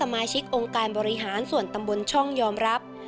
มาชิกองค์การบริหารส่วนตำบลช่องยอมรับ